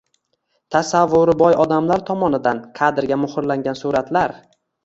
Tasavvuri boy odamlar tomonidan kadrga muhrlangan suratlar